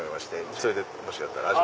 それでもしよかったら。